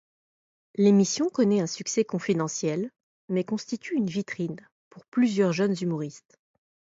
L'émission connait un succès confidentiel, mais constitue une vitrine pour plusieurs jeunes humoristes.